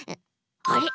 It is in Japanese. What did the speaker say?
あれ？